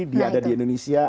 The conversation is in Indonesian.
dia ada di indonesia